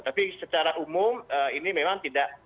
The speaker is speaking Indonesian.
tapi secara umum ini memang tidak